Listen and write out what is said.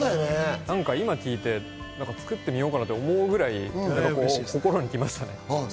今聞いて、作ってみようかなって思うぐらい心にきました。